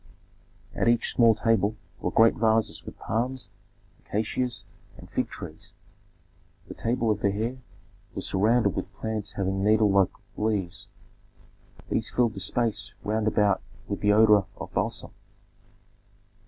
At each small table were great vases with palms, acacias, and fig trees. The table of the heir was surrounded with plants having needle like leaves; these filled the space round about with the odor of balsam.